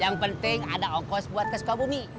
yang penting ada ongkos buat keskabumi